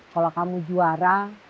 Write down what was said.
kalau kamu juara